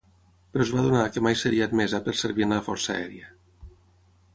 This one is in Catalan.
Però es va adonar que mai seria admesa per servir en la Força Aèria.